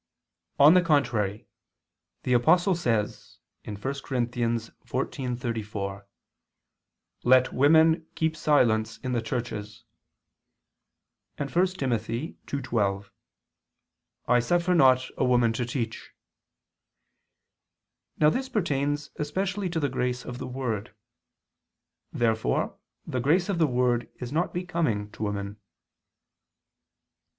On the contrary, The Apostle says (1 Cor. 14:34): "Let women keep silence in the churches," and (1 Tim. 2:12): "I suffer not a woman to teach." Now this pertains especially to the grace of the word. Therefore the grace of the word is not becoming to women.